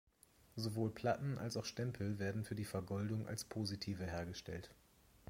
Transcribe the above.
Sowohl Platten als auch Stempel werden für die Vergoldung als Positive hergestellt.